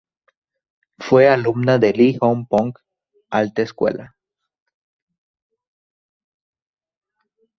Fue alumna de Le Hong Phong Alta Escuela.